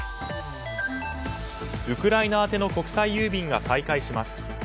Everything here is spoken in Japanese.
ウクライナ宛ての国際郵便が再開します。